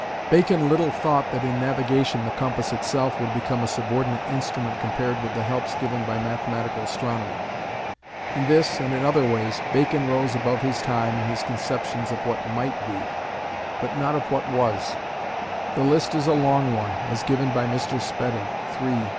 Bacon little thought that in navigation the compass itself would become a subordinate instrument compared with the helps given by mathematical astronomy. In this, and in other ways, Bacon rose above his time in his conceptions of what might be, but not of what was; the list is a long one, as given by Mr. Spedding (iii.